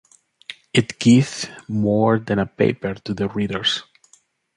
It gives more than a paper to the readers.